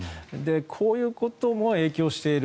こういうことも影響している。